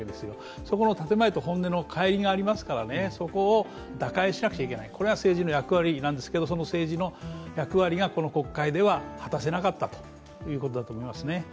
そこの建前と本音の乖離がありますからね、そこを打開しなくちゃいけない、これが政治の役割なんですが、その政治の役割がこの国会では果たせなかったということだと思いますね。